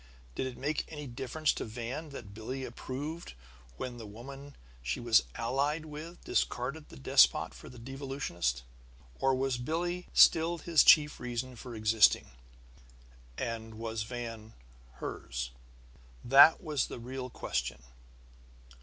Did it make any difference to Van that Billie approved when the woman she was allied with discarded the despot for the devolutionist? Or was Billie still his chief reason for existing, and was Van hers? That was the real question!